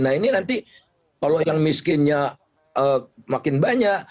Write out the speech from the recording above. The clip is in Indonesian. nah ini nanti kalau yang miskinnya makin banyak